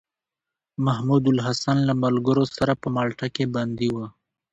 محمودالحسن له ملګرو سره په مالټا کې بندي و.